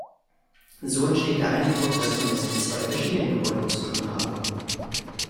So entsteht der Eindruck, dass man es mit zwei verschiedenen Gebäuden zu tun habe.